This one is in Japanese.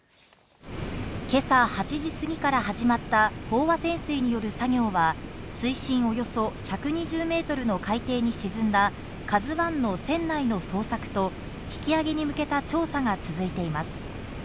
今朝８時すぎから始まった飽和潜水による作業は、水深およそ１２０メートルの海底に沈んだ「ＫＡＺＵ１」の船内の捜索と引き揚げに向けた調査が続いています。